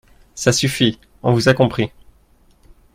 Ça suffit, on vous a compris